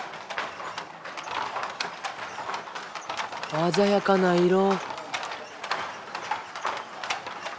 鮮やかな色。